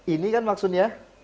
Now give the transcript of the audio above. ini kan maksudnya